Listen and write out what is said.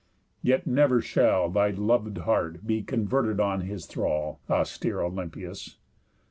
Yet never shall Thy lov'd heart be converted on his thrall, Austere Olympius.